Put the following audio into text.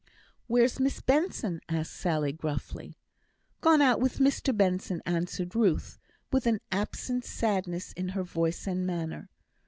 "Where's Miss Benson?" said Sally, gruffly. "Gone out with Mr Benson," answered Ruth, with an absent sadness in her voice and manner.